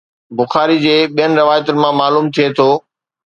بخاري جي ٻين روايتن مان معلوم ٿئي ٿو